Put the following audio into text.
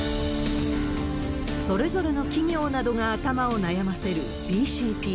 それぞれの企業などが頭を悩ませるＢＣＰ。